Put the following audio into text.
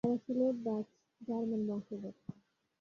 এরা ছিল Dutch, German বংশধর।